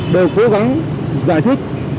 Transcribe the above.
đều cố gắng giải thích